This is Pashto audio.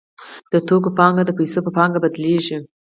د توکو پانګه د پیسو په پانګه بدلېږي